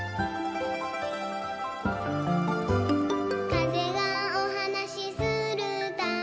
「かぜがおはなしするたび」